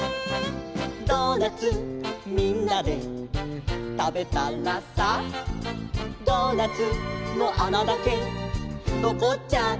「ドーナツみんなでたべたらさ」「ドーナツのあなだけのこっちゃった」